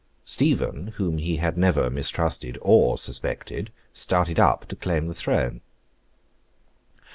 Stephen, whom he had never mistrusted or suspected, started up to claim the throne.